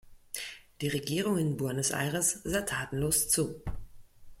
Die Regierung in Buenos Aires sah tatenlos zu.